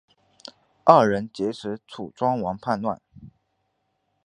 二人劫持楚庄王叛乱。